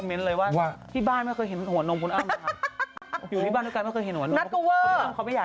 เมื่อที่เรื่องที่พี่บอกเมื่อกี้